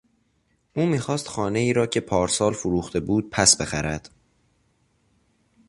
او میخواست خانهای را که پارسال فروخته بود پس بخرد.